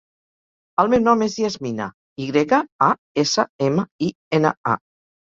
El meu nom és Yasmina: i grega, a, essa, ema, i, ena, a.